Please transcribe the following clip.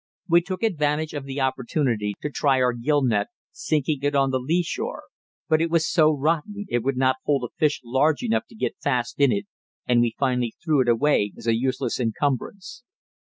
We took advantage of the opportunity to try our gill net, sinking it on the lee shore, but it was so rotten it would not hold a fish large enough to get fast in it, and we finally threw it away as a useless encumbrance.